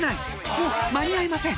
もう間に合いません